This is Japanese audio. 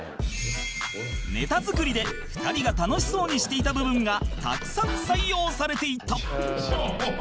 ネタ作りで２人が楽しそうにしていた部分がたくさん採用されていた